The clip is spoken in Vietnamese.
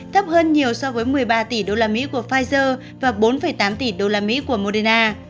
thấp hơn nhiều so với một mươi ba tỷ usd của pfizer và bốn tám tỷ usd của moderna